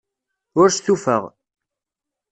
Ur stufaɣ.